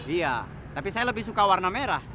iya tapi saya lebih suka warna merah